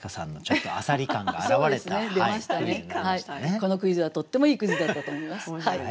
このクイズはとってもいいクイズだったと思います。